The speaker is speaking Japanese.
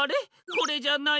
これじゃない。